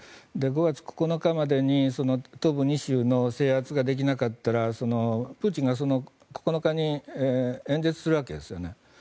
５月９日までに東部２州の制圧ができなかったらプーチンが９日に演説するわけですよね。